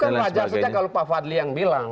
karena sisi pandangnya pak fadli harus yang buruk